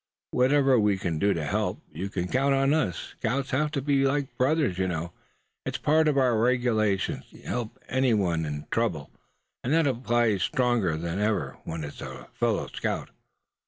Whatever we can do to help, you can count on. Scouts have to be like brothers, you know. It's a part of our regulations to help any one in trouble; and that applies stronger than ever when it's a fellow scout."